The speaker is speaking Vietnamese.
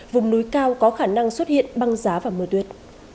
vùng núi cao có khả năng xuất hiện băng giá và mưa tuyết